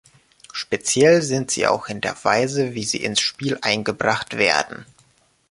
Speziell sind sie auch in der Weise wie sie ins Spiel eingebracht werden.